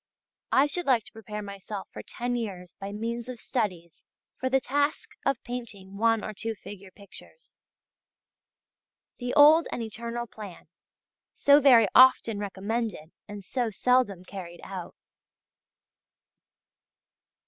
I should like to prepare myself for ten years by means of studies for the task of painting one or two figure pictures. The old and eternal plan so very often recommended and so seldom carried out!